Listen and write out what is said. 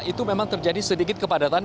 itu memang terjadi sedikit kepadatan